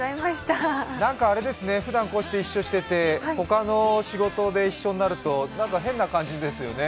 なんか、ふだんこうして一緒してて他の仕事で一緒になるとなんか変な感じですよね？